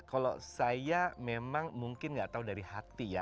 kalau saya memang mungkin nggak tahu dari hati ya